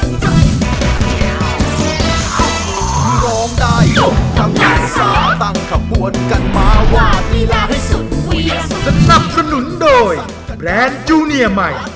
โอ้โหนี่ถ้าวิ่งคล่องน้องใส่วิ่งประกอบทุกคราวแล้วเนี่ย